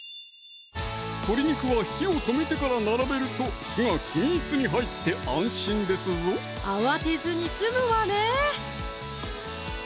鶏肉は火を止めてから並べると火が均一に入って安心ですぞ慌てずに済むわね